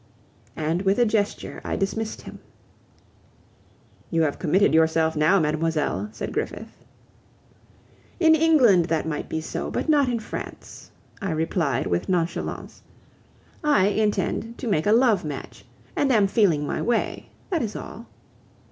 And with a gesture I dismissed him. "You have committed yourself now, mademoiselle," said Griffith. "In England that might be so, but not in France," I replied with nonchalance. "I intend to make a love match, and am feeling my way that is all."